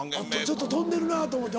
ちょっと飛んでるなと思って。